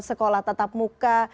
sekolah tetap muka